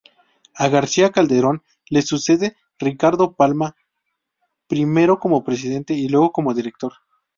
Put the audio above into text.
A García Calderón le sucede Ricardo Palma, primero como presidente y luego como director.